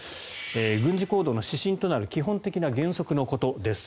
軍事行動の指針となる基本的な原則のことです。